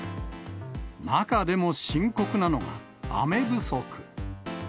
中でも深刻なのが、雨不足。